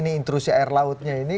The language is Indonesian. ini intrusi air lautnya ini